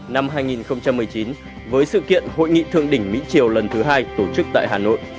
năm hai nghìn một mươi chín với sự kiện hội nghị thượng đỉnh mỹ triều lần thứ hai tổ chức tại hà nội